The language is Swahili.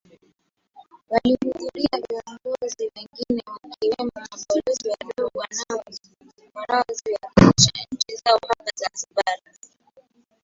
Walihudhuria viongozi wengine wakiwemo Mabalozi wadogo wanaoziwakilisha nchi zao hapa Zanzibar